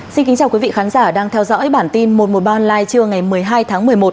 xin kính chào quý vị khán giả đang theo dõi bản tin một trăm một mươi ba online trưa ngày một mươi hai tháng một mươi một